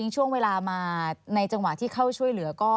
ช่วงเวลามาในจังหวะที่เข้าช่วยเหลือก็